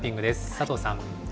佐藤さん。